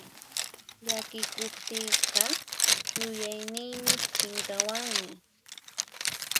Llakikuqtiyqa yuyayniypis chinkawanmi.